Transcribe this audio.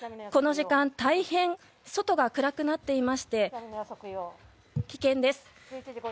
この時間、大変外が暗くなっていまして危険です。